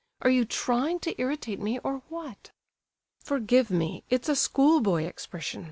Are you trying to irritate me, or what?" "Forgive me, it's a schoolboy expression.